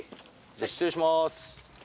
じゃあ失礼します。